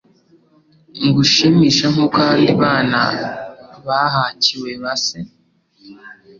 ngushimishe nk'uko abandi bana bahakiwe base